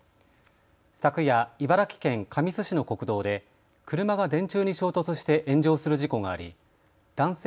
昨夜、茨城県神栖市の国道で車が電柱に衝突して炎上する事故があり男性